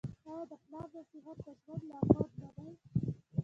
آیا د پلار نصیحت د ژوند لارښود نه دی؟